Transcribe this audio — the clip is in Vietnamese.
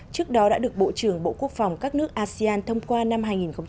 trước đó đã được bộ trưởng bộ quốc phòng các nước asean thông qua năm hai nghìn một mươi chín